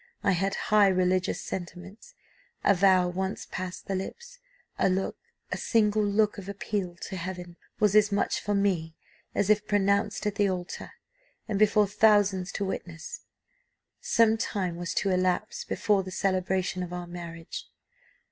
I had high religious sentiments; a vow once passed the lips, a look, a single look of appeal to Heaven, was as much for me as if pronounced at the altar, and before thousands to witness. Some time was to elapse before the celebration of our marriage.